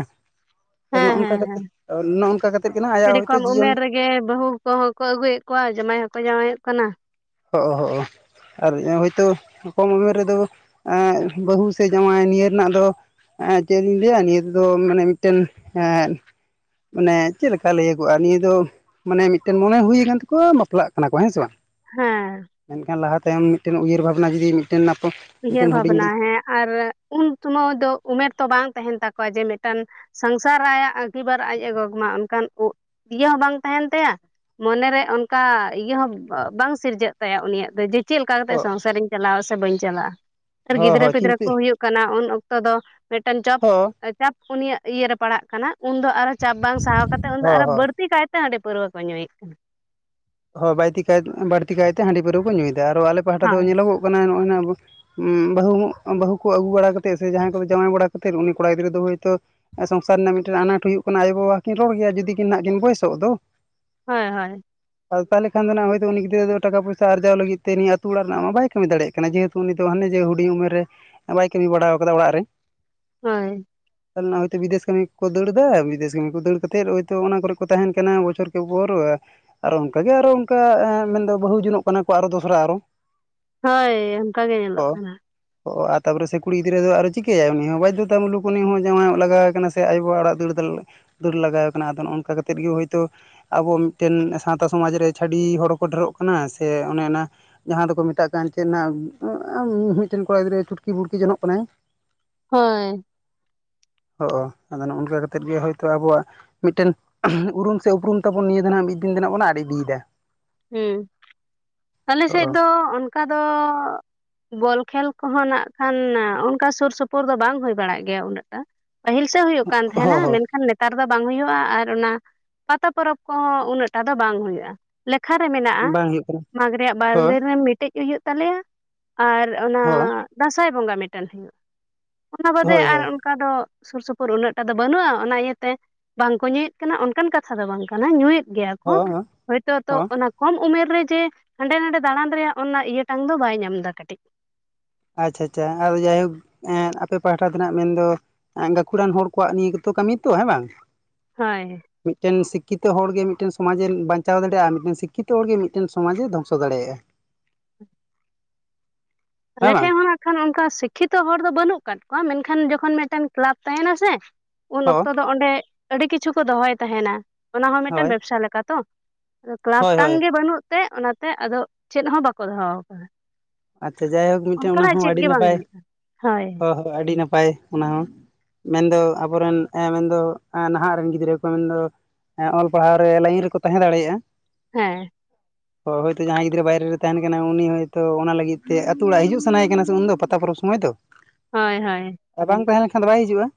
Speaker 1: ᱱᱚᱜ
Speaker 2: ᱦᱮᱸ
Speaker 1: ᱱᱚᱝᱠᱟ
Speaker 2: ᱦᱮᱸ ᱦᱮᱸ
Speaker 1: ᱠᱟᱛᱮᱫ, ᱱᱚᱜᱷ ᱱᱚᱝᱠᱟ ᱠᱟᱛᱮ ᱜᱮ ᱱᱟᱜᱷ ᱟᱭᱟᱜ ᱦᱳᱭᱛᱳ ᱡᱤᱭᱚᱱ
Speaker 2: ᱜᱮ ᱵᱟᱹᱦᱩ ᱠᱚᱼᱦᱚᱸ ᱠᱚ ᱟᱹᱜᱩᱭᱮᱫ ᱠᱚᱣᱟ ᱾ ᱡᱟᱢᱟᱭ ᱦᱚᱸᱠᱚ ᱡᱟᱶᱟᱭᱚᱜ ᱠᱟᱱᱟ᱾
Speaker 1: ᱦᱚᱸᱜ ᱚᱸ ᱦᱚᱸᱜ ᱚᱸ ᱾ ᱟᱨ ᱦᱳᱭᱛᱳ ᱠᱚᱢ ᱩᱢᱮᱨ ᱨᱮᱫᱚ ᱮᱸ ᱵᱟᱹᱦᱩ ᱥᱮ ᱡᱟᱶᱟᱭ ᱱᱤᱭᱟᱹ ᱨᱮᱱᱟᱜ ᱫᱚ᱾ ᱮᱸ ᱪᱮᱫ ᱤᱧ ᱞᱟᱹᱭᱟ᱾ ᱱᱤᱭᱟᱹ ᱛᱮᱫᱚᱸ ᱢᱟᱱᱮ ᱢᱤᱫᱴᱮᱱ ᱮᱸ ᱢᱟᱱᱮ ᱪᱮᱫ ᱞᱮᱠᱟ ᱞᱟᱹᱭᱟᱹᱜᱚᱜᱼᱟ᱾ ᱱᱤᱭᱟᱹ ᱫᱚ᱾ ᱢᱟᱱᱮ ᱢᱤᱫᱴᱮᱱ ᱢᱚᱱᱮ ᱦᱩᱭ ᱟᱠᱟᱱ ᱛᱟᱠᱚᱣᱟ᱾ ᱵᱟᱯᱞᱟ-ᱜ ᱠᱟᱱᱟ ᱠᱚ ᱦᱮᱸ ᱥᱮ ᱵᱟᱝ᱾
Speaker 2: ᱦᱮᱸ᱾
Speaker 1: ᱢᱮᱱᱠᱷᱟᱱ ᱞᱟᱦᱟ ᱛᱟᱭᱚᱢ, ᱢᱤᱫᱴᱮᱱ ᱩᱭᱦᱟᱹᱨ ᱵᱷᱟᱵᱽᱱᱟ ᱡᱩᱫᱤ ᱢᱤᱫᱴᱮᱱ ᱱᱟᱯᱚ
Speaker 2: ᱩᱭᱦᱟᱹᱨ ᱵᱷᱟᱵᱽᱱᱟ ᱦᱮᱸ ᱟᱨ ᱩᱱ ᱥᱚᱢᱚᱭ ᱫᱚ, ᱩᱢᱮᱨ ᱛᱚ ᱵᱟᱝ ᱛᱟᱹᱦᱮᱱ ᱛᱟᱠᱚᱣ-ᱟ᱾ ᱡᱮ ᱢᱤᱫᱴᱟᱝ ᱥᱚᱝᱥᱟᱨ ᱟᱭᱟᱜ ᱟᱺᱜᱤᱵᱷᱟᱨ ᱟᱡ ᱮᱸ ᱜᱚᱜᱽ ᱢᱟ᱾ ᱚᱱᱠᱟᱱ ᱩᱜ ᱤᱭᱟᱹ ᱦᱚᱸ ᱵᱟᱝ ᱛᱟᱸᱦᱮᱱ ᱛᱟᱭ-ᱟ᱾ ᱢᱚᱱᱮᱨᱮ ᱚᱱᱠᱟ ᱤᱭᱟᱹ ᱦᱚᱸ ᱵᱟᱝ ᱥᱤᱨᱡᱟᱹᱜ ᱛᱟᱭᱟ᱾ ᱩᱱᱤᱭᱟ-ᱜ ᱫᱚ᱾ᱡᱮ ᱪᱮᱫ ᱞᱮᱠᱟ ᱠᱟᱛᱮ
Speaker 1: ᱦᱚᱸ
Speaker 2: ᱥᱚᱝᱥᱟᱨᱤᱧ ᱪᱟᱞᱟᱣ ᱟ ᱾ ᱥᱮ ᱵᱟᱹᱧ ᱪᱟᱞᱟᱜᱼᱟ᱾
Speaker 1: ᱦᱚᱸ
Speaker 2: ᱜᱤᱫᱽᱨᱟᱹ
Speaker 1: ᱦᱚᱸ
Speaker 2: ᱯᱤᱫᱽᱨᱟᱹ
Speaker 1: ᱪᱤᱱᱛᱟᱹ
Speaker 2: ᱠᱚ ᱦᱩᱭᱩᱼᱜ ᱠᱟᱱᱟ᱾ ᱩᱱ ᱚᱠᱛᱚ ᱫᱚ ᱢᱤᱫᱴᱮᱱ ᱪᱚᱯ,
Speaker 1: ᱦᱚᱸ
Speaker 2: ᱪᱟᱯ᱾ ᱩᱱᱤᱭᱟ-ᱜ ᱤᱭᱟᱹᱨᱮ ᱯᱟᱲᱟᱜ ᱠᱟᱱᱟ᱾ ᱩᱱᱫᱚ ᱟᱨᱚ ᱪᱟᱯ ᱵᱟᱝ ᱥᱟᱦᱟᱣ ᱠᱟᱛᱮᱫ, ᱩᱱᱫᱚ
Speaker 1: ᱦᱚᱸ
Speaker 2: ᱟᱨᱚ
Speaker 1: ᱦᱚᱸ
Speaker 2: ᱵᱟᱹᱲᱛᱤ ᱠᱟᱭᱛᱮ ᱛᱮ ᱦᱟᱺᱰᱤ ᱯᱟᱹᱨᱣᱟᱹ ᱠᱚ ᱧᱩᱭᱮᱫ ᱠᱟᱱᱟ᱾
Speaker 1: ᱦᱚᱸ ᱵᱟᱭᱛᱤ, ᱠᱟᱭᱛᱮ - ᱵᱟᱹᱲᱛᱤ ᱠᱟᱭᱛᱮ, ᱦᱟᱺᱰᱤ ᱯᱟᱹᱨᱣᱟᱹ ᱠᱚ ᱧᱩᱭᱮᱫᱟ᱾ ᱟᱨᱚ ᱟᱞᱮ ᱯᱟᱦᱟᱴᱟ ᱫᱚ
Speaker 2: ᱦᱳᱭ
Speaker 1: ᱧᱮᱞᱚᱜᱚᱜ ᱠᱟᱱᱟ ᱱᱚᱜᱼᱚᱭ ᱱᱟᱜᱷ ᱟᱵᱚ ᱩᱸ ᱵᱟᱹᱦᱩ ᱦᱚᱸ, ᱵᱟᱹᱦᱩ ᱠᱚ ᱟᱹᱜᱩ ᱵᱟᱲᱟ ᱠᱟᱛᱮᱜ, ᱥᱮ ᱡᱟᱦᱟᱸᱭ ᱠᱚ ᱡᱟᱶᱟᱭ ᱵᱟᱲᱟ ᱠᱟᱛᱮᱫ ᱩᱱᱤ ᱠᱚᱲᱟ ᱜᱤᱫᱽᱨᱟᱹ ᱫᱚ ᱦᱳᱭᱛᱳ ᱥᱚᱝᱥᱟᱨ ᱨᱮᱱᱟᱜ ᱢᱤᱫᱴᱮᱱ ᱟᱱᱟᱴ ᱦᱩᱭᱩᱜ ᱠᱟᱱᱟ᱾ ᱟᱭᱳᱼᱵᱟᱵᱟ ᱠᱤᱱ ᱨᱚᱲ ᱜᱮᱭᱟ᱾ ᱡᱩᱫᱤ ᱠᱤᱱ ᱱᱟᱜᱷ ᱠᱤᱱ ᱵᱚᱭᱮᱥᱳᱜ ᱫᱚ᱾
Speaker 2: ᱦᱳᱭ ᱦᱳᱭ᱾
Speaker 1: ᱟᱫᱚ ᱛᱟᱦᱚᱞᱮ ᱠᱷᱟᱱ ᱫᱚ ᱱᱟᱜᱷ ᱦᱚᱭᱛᱚ, ᱩᱱᱤ ᱜᱤᱫᱽᱨᱟᱹ ᱴᱟᱠᱟ ᱯᱚᱭᱥᱟ ᱟᱨᱡᱟᱣ ᱞᱟᱹᱜᱤᱫ ᱛᱮ, ᱱᱤᱭᱟᱹ ᱟᱹᱛᱩ ᱚᱲᱟᱜ ᱨᱮᱱᱟᱜ ᱢᱟ ᱵᱟᱭ ᱠᱟᱹᱢᱤ ᱫᱟᱲᱮᱭᱟᱜ ᱠᱟᱱᱟ᱾ ᱠᱟᱱᱟ ᱾ ᱡᱮᱦᱮᱛᱩ ᱩᱱᱤ ᱫᱚ ᱦᱟᱱᱮ ᱡᱮ ᱦᱩᱰᱤᱧ ᱩᱢᱮᱨ ᱨᱮ, ᱵᱟᱭ ᱠᱟᱹᱢᱤ ᱵᱟᱲᱟᱣ ᱠᱟᱫᱟ ᱚᱲᱟᱜ ᱨᱮ᱾
Speaker 2: ᱦᱳᱭ᱾
Speaker 1: ᱛᱟᱦᱚᱞᱮ ᱦᱚᱭᱛᱳ ᱵᱤᱫᱮᱥ ᱠᱟᱹᱢᱤ ᱠᱚᱼᱠᱚ ᱫᱟᱹᱲᱫᱟ ᱾ ᱵᱤᱫᱮᱥ ᱠᱟᱹᱢᱤ ᱠᱚ ᱫᱟᱹᱲ ᱠᱟᱛᱮᱫ ᱦᱚᱭᱛᱳ ᱚᱱᱟ ᱠᱚᱨᱮ ᱠᱚ ᱛᱟᱸᱦᱮᱱ ᱠᱟᱱᱟ᱾ ᱵᱚᱪᱷᱚᱨ ᱠᱮ ᱩᱯᱚᱨ ᱟᱨᱚ ᱚᱱᱠᱟᱜᱮ ᱟᱨᱚ ᱚᱱᱠᱟ, ᱢᱮᱱᱫᱚ ᱵᱟᱹᱦᱩ ᱡᱚᱱᱚᱜ ᱠᱟᱱᱟ ᱠᱚ ᱟᱨᱚ ᱫᱚᱥᱨᱟ ᱟᱨᱚ᱾
Speaker 2: ᱦᱳᱭ ᱚᱱᱠᱟ ᱜᱮ ᱧᱮᱞᱚ-ᱜ
Speaker 1: ᱦᱳᱭ
Speaker 2: ᱠᱟᱱᱟ᱾
Speaker 1: ᱚ ᱟᱨ ᱛᱟᱯᱚᱨᱮ ᱠᱩᱲᱤ ᱜᱤᱫᱽᱨᱟᱹ ᱫᱚ ᱟᱨᱚ ᱪᱤᱠᱟᱹᱭᱟᱭ ᱾ ᱩᱱᱤ ᱦᱚᱸ ᱵᱟᱫᱽᱫᱷᱚᱛᱟ ᱢᱩᱞᱩᱠ ᱩᱱᱤ ᱦᱚᱸ ᱡᱟᱶᱟᱜ ᱞᱟᱜᱟᱣ ᱮᱠᱟᱱᱟ᱾ ᱛᱮ ᱟᱭᱳ-ᱵᱵᱟ ᱟᱲᱟᱜ ᱫᱟᱹᱲ ᱫᱟᱹᱲ ᱞᱟᱜᱟᱣ ᱠᱟᱱᱟ᱾ ᱟᱫᱚ ᱱᱚᱜ-ᱱᱚᱝᱠᱟ ᱠᱟᱛᱮᱫ ᱜᱮ ᱦᱳᱭᱛᱳ ᱟᱵᱚ ᱢᱤᱫᱴᱮᱱ ᱥᱟᱶᱛᱟ ᱥᱚᱢᱟᱡᱽ ᱨᱮ ᱪᱷᱟᱹᱰᱤ ᱦᱚᱲ ᱦᱚᱸ ᱠᱚ, ᱰᱷᱮᱨᱚᱜ ᱠᱟᱱᱟ᱾ ᱥᱮ ᱚᱱᱮ ᱚᱱᱟ ᱡᱟᱦᱟᱸ ᱫᱚᱠᱚ ᱢᱮᱛᱟᱜ ᱠᱟᱱ ᱪᱮᱫ ᱚᱱᱟ ᱢᱤᱫᱴᱮᱱ ᱠᱚᱲᱟ ᱜᱤᱫᱽᱨᱟᱹ ᱪᱩᱴᱠᱤ ᱵᱩᱴᱠᱤ ᱡᱚᱱᱚᱜ ᱠᱟᱱᱟᱭ
Speaker 2: ᱦᱳᱭ
Speaker 1: ᱦᱚᱜ-ᱚ ᱟᱫᱚ ᱱᱚᱜᱼᱱᱚᱝᱠᱟ ᱠᱟᱛᱮᱜ ᱦᱳᱭ ᱛᱚ ᱟᱵᱚᱣᱟᱜ ᱢᱤᱫᱴᱮᱱ ᱩᱨᱩᱢ ᱥᱮ ᱩᱯᱨᱩᱢ ᱛᱟᱵᱚᱱ ᱱᱤᱭᱟᱹ ᱫᱚ ᱟᱸᱱᱟᱜ ᱢᱤᱫ ᱫᱤᱱ ᱫᱚ ᱱᱟᱜ ᱵᱚᱱ ᱟᱫ ᱤᱫᱤᱭᱮ ᱫᱟ᱾
Speaker 2: ᱦᱩᱸ ᱟᱞᱮ ᱥᱮᱫ ᱫᱚ ᱚᱱᱠᱟ ᱫᱚ ᱵᱚᱞ ᱠᱷᱮᱞ ᱠᱚᱦᱚᱸ ᱱᱟᱜ ᱠᱷᱟᱱ ᱚᱱᱠᱟ ᱥᱩᱨ ᱥᱩᱯᱩᱨ ᱫᱚ ᱵᱟᱝ ᱦᱩᱭ ᱵᱟᱲᱟᱜ ᱜᱮᱭᱟ ᱩᱱᱟᱹᱜ ᱴᱟ ᱯᱟᱹᱦᱤᱞ ᱥᱮ ᱦᱩᱭᱩᱜ ᱠᱟᱱ ᱛᱟᱦᱮᱱᱟ
Speaker 1: ᱦᱚᱸ
Speaker 2: ᱢᱮᱱᱠᱷᱟᱱ ᱱᱮ ᱱᱮᱛᱟᱨ ᱫᱚ ᱵᱟᱝ ᱦᱩᱭᱩᱜᱼᱟ ᱟᱨ ᱚᱱᱟ ᱯᱟᱛᱟ ᱯᱚᱨᱚᱵᱽ ᱠᱚᱦᱚᱸ ᱩᱱᱟᱹᱜ ᱴᱟ ᱫᱚ ᱵᱟᱝ ᱦᱩᱭᱩᱜᱼᱟ ᱠᱷᱟᱨᱮ ᱢᱮᱱᱟᱜᱼᱟ
Speaker 1: ᱦᱚᱸ ᱵᱟᱝ ᱦᱩᱭᱩᱜ ᱠᱟᱱᱟ
Speaker 2: ᱢᱟᱜᱽ ᱨᱮᱭᱟᱜ ᱵᱟᱨ
Speaker 1: ᱦᱚᱸ
Speaker 2: ᱫᱤᱱ ᱨᱮ ᱢᱤᱫᱴᱮᱡ ᱦᱩᱭᱩᱜ ᱛᱟᱞᱮᱭᱟ ᱟᱨ ᱚᱱᱟ
Speaker 1: ᱦᱚ
Speaker 2: ᱫᱟᱸᱥᱟᱭ ᱵᱚᱸᱜᱟ ᱢᱤᱫᱴᱮᱱ ᱦᱩᱭᱩᱜᱼᱟ ᱚᱱᱟ ᱵᱟᱫᱮ
Speaker 1: ᱦᱳᱭ
Speaker 2: ᱟᱨ
Speaker 1: ᱦᱳᱭ
Speaker 2: ᱚᱠᱟ ᱫᱚ ᱥᱩᱨ ᱥᱩᱯᱩᱨ ᱩᱱᱟᱹᱜ ᱴᱟ ᱫᱚ ᱵᱟᱹᱱᱩᱜᱼᱟ ᱚᱱᱟ ᱤᱭᱟᱹᱛᱮ ᱵᱟᱝᱠᱚ ᱧᱩᱭᱮᱫ ᱠᱟᱱᱟ ᱚᱱᱠᱟᱱ ᱠᱟᱛᱷᱟ ᱫᱚ ᱵᱟᱝ ᱠᱟᱱᱟ ᱧᱩᱭᱮᱫ ᱜᱮᱭᱟ ᱠᱚ
Speaker 1: ᱦᱚᱸ ᱦᱚᱸ
Speaker 2: ᱦᱳᱭᱛᱳ ᱛᱚ
Speaker 1: ᱦᱚᱸ
Speaker 2: ᱚᱱᱟ ᱠᱚᱢ ᱩᱢᱮᱨ ᱨᱮ ᱡᱮ ᱦᱟᱸᱰᱮ ᱱᱟᱰᱮ ᱫᱟᱬᱟᱱ ᱨᱮᱭᱟᱜ ᱚᱱᱟ ᱤᱭᱟᱹᱴᱟᱝ ᱫᱚ ᱵᱟᱭ ᱧᱟᱢ ᱮᱫᱟ ᱠᱟᱹᱴᱤᱡ
Speaker 1: ᱟᱪᱪᱷᱟ ᱟᱪᱪᱷᱟ ᱟᱫᱚ ᱡᱟᱭᱦᱳᱠ ᱟᱯᱮ ᱯᱟᱦᱴᱟ ᱫᱚᱱᱟᱜ ᱢᱮᱱ ᱫᱚ ᱜᱟᱹᱠᱷᱩᱲᱟᱱ ᱦᱚᱲ ᱠᱚᱣᱟᱜ ᱱᱤᱭᱟᱹ ᱜᱮᱛᱚ ᱠᱟᱹᱢᱤ ᱛᱚ ᱦᱮᱸ ᱵᱟᱝ?
Speaker 2: ᱦᱳᱭ
Speaker 1: ᱢᱤᱫᱴᱮᱱ ᱥᱤᱠᱠᱷᱤᱛᱚ ᱦᱚᱲᱜᱮ ᱢᱤᱫᱴᱮᱱ ᱥᱚᱢᱟᱡᱽᱮ ᱵᱟᱧᱪᱟᱣ ᱫᱟᱲᱮᱭᱟᱜᱼᱟ ᱢᱤᱫᱴᱮᱱ ᱥᱤᱠᱠᱷᱤᱛᱚ ᱦᱚᱲᱜᱮ ᱢᱤᱫᱴᱮᱱ ᱥᱚᱢᱟᱡᱽ ᱮ ᱫᱷᱚᱝᱥᱚ ᱫᱟᱲᱮᱭᱟᱜᱼᱟ᱾ ᱦᱮᱸ
Speaker 2: ᱟᱞᱮ
Speaker 1: ᱵᱟᱝ
Speaker 2: ᱴᱷᱮᱡ ᱦᱚᱸ ᱱᱟᱜ ᱠᱷᱟᱱ ᱚᱱᱠᱟ ᱥᱤᱠᱠᱷᱤᱛᱚ ᱦᱚᱲ ᱫᱚ ᱵᱟᱹᱱᱩᱜ ᱟᱠᱟᱫ ᱠᱚᱣᱟ ᱢᱮᱱᱠᱷᱟᱱ ᱡᱚᱠᱷᱚᱱ ᱢᱤᱫᱴᱮᱱ ᱠᱮᱞᱟᱯ ᱛᱟᱦᱮᱱᱟ ᱥᱮ ᱩᱱ
Speaker 1: ᱦᱚ
Speaker 2: ᱚᱠᱛᱚ ᱫᱚ ᱚᱸᱰᱮ ᱟᱹᱰᱤ ᱠᱤᱪᱷᱩ ᱠᱚ ᱫᱚᱦᱚᱭ ᱛᱟᱦᱮᱱᱟ ᱚᱱᱟ ᱦᱚᱸ ᱢᱤᱫᱴᱮᱱ
Speaker 1: ᱦᱳᱭ
Speaker 2: ᱵᱮᱵᱥᱟ ᱞᱮᱠᱟ ᱛᱚ ᱟᱫᱚ ᱠᱞᱟᱯ
Speaker 1: ᱦᱳᱭ
Speaker 2: ᱴᱟᱝ
Speaker 1: ᱦᱳᱭ
Speaker 2: ᱜᱮ ᱵᱟᱹᱱᱩᱜ ᱛᱮ ᱚᱱᱟᱛᱮ ᱟᱫᱚ ᱪᱮᱫ ᱦᱚᱸ ᱵᱟᱠᱚ ᱫᱚᱦᱚ ᱟᱠᱟᱫᱟ
Speaker 1: ᱟᱪᱪᱷᱟ ᱡᱟᱭᱦᱳᱠ ᱢᱤᱫᱴᱮᱱ ᱚᱱᱟ
Speaker 2: ᱚᱱᱠᱟᱱᱟᱜ
Speaker 1: ᱦᱚᱸ
Speaker 2: ᱪᱮᱫ
Speaker 1: ᱟᱹᱰᱤ
Speaker 2: ᱜᱮ ᱵᱟᱝ
Speaker 1: ᱱᱟᱯᱟᱭ
Speaker 2: ᱦᱩᱭᱩᱜᱼᱟ ᱦᱳᱭ
Speaker 1: ᱦᱚ ᱦᱚᱸ ᱟᱹᱰᱤ ᱱᱟᱯᱟᱭ ᱚᱱᱟ ᱦᱚᱸ ᱢᱮᱱᱫᱚ ᱟᱵᱚᱨᱮᱱ ᱢᱮᱱᱫᱚ ᱱᱟᱦᱟᱜ ᱨᱮᱱ ᱜᱤᱫᱽᱨᱟᱹ ᱠᱚ ᱢᱮᱱᱫᱚ ᱦᱮᱸ ᱚᱞ ᱯᱟᱲᱦᱟᱣ ᱨᱮ ᱞᱟᱭᱤᱱ ᱨᱮᱠᱚ ᱛᱟᱦᱮᱸ ᱫᱟᱲᱮᱭᱟᱜᱼᱟ᱾
Speaker 2: ᱦᱮᱸ
Speaker 1: ᱦᱳ ᱦᱳᱭᱛᱳ ᱡᱟᱦᱟᱸᱭ ᱜᱤᱫᱽᱨᱟᱹ ᱵᱟᱭᱨᱮ ᱨᱮ ᱛᱟᱦᱮᱱ ᱠᱟᱱᱟ ᱩᱱᱤ ᱦᱚᱭᱛᱳ ᱚᱱᱟ ᱞᱟᱹᱜᱤᱫ ᱜᱤᱛᱮ ᱟᱹᱛᱩ ᱚᱲᱟᱜ ᱦᱤᱡᱩᱜ ᱥᱟᱱᱟᱭᱮ ᱠᱟᱱᱟ ᱩᱱᱫᱚ ᱯᱟᱛᱟ ᱯᱚᱨᱚᱵᱽ ᱥᱚᱢᱚᱭ ᱫᱚ᱾
Speaker 2: ᱦᱳᱭ ᱦᱳᱭ
Speaker 1: ᱟᱨ ᱵᱟᱝ ᱛᱟᱦᱮᱸ ᱞᱮᱱᱠᱷᱟᱱ ᱫᱚ ᱵᱟᱭ ᱦᱤᱡᱩᱜᱼᱟ᱾